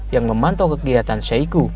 yang memantau kegiatan syaiqo